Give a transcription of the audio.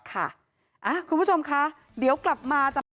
ค่ะคุณผู้ชมค่ะเดี๋ยวกลับมา